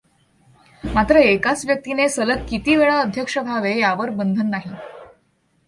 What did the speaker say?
मात्र एकाच व्यक्तीने सलग किती वेळा अध्यक्ष व्हावे यावर बंधन नाही.